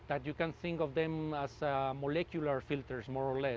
anda bisa menganggapnya sebagai filter molekuler